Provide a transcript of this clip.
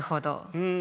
うん。